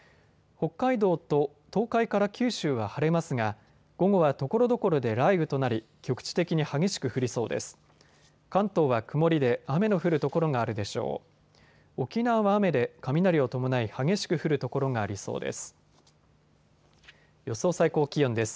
北海道と東海から九州は晴れますが午後はところどころで雷雨となり、局地的に激しく降りそうです。